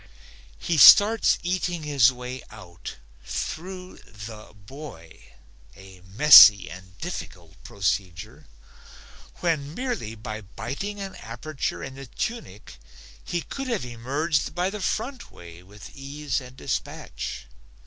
He starts eating his way out through the boy, a messy and difficult procedure, when merely by biting an aperture in the tunic he could have emerged by the front way with ease and dispatch.